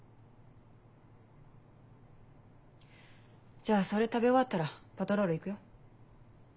じゃあそれ食べ終わったらパトロール行くよ。